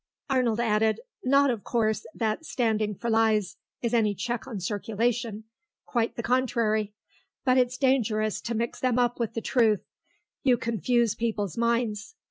Arnold added, "Not, of course, that standing for lies is any check on circulation; quite the contrary; but it's dangerous to mix them up with the truth; you confuse people's minds.